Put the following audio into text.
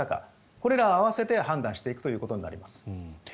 これらを合わせて判断していくことになります。